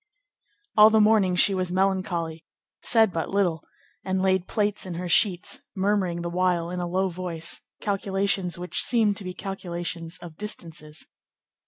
All the morning she was melancholy, said but little, and laid plaits in her sheets, murmuring the while, in a low voice, calculations which seemed to be calculations of distances.